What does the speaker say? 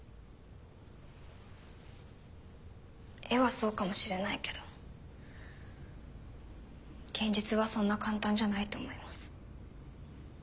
絵はそうかもしれないけど現実はそんな簡単じゃないと思います。